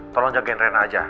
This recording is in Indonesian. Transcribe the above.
tolong jagain reina aja